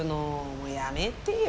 もうやめてよ。